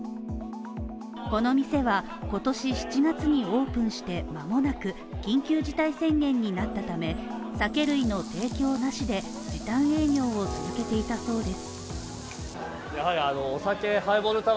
この店は今年７月にオープンしてまもなく、緊急事態宣言になったため、酒類の提供なしで時短営業を続けていたそうです